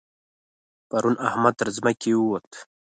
پرون احمد تر ځمکې ووت.